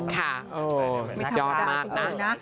ค่ะไม่ธรรมดาจริงนะ